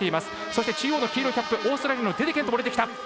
そして中央の黄色いキャップオーストラリアのデデケントも出てきた。